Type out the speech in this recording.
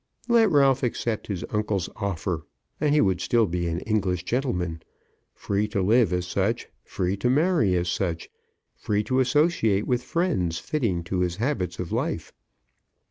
Let Ralph accept his uncle's offer and he would still be an English gentleman, free to live as such, free to marry as such, free to associate with friends fitting to his habits of life.